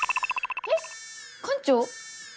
えっ館長？